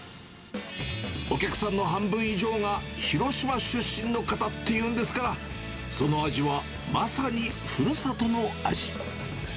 お客さんの半分以上が広島出身の方っていうんですから、その味はまさにふるさとの味。